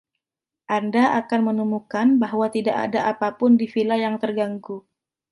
Anda akan menemukan bahwa tidak ada apa pun di vila yang terganggu.